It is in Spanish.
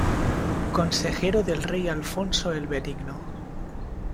Consejero del rey Alfonso el Benigno.